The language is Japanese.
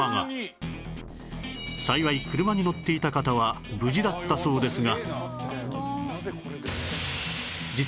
幸い車に乗っていた方は無事だったそうですが